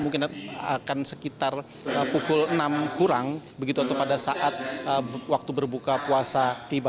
mungkin akan sekitar pukul enam kurang begitu atau pada saat waktu berbuka puasa tiba